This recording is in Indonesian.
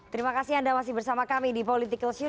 terimakasih anda masih bersama kami di politicals you